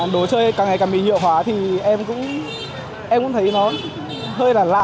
đồ chơi càng ngày càng bị nhựa hóa thì em cũng thấy nó hơi là lạ